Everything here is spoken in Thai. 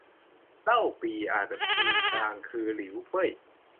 เล่าปี่ อ่านแบบจีนกลางคือ หลิวเป้ย